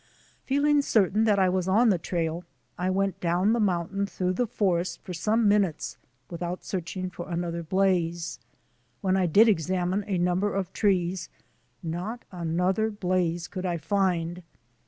Feeling certain that I was on the trail I went down the mountain through the forest for some minutes without searching for another blaze. When I did examine a number of trees not another blaze could I find.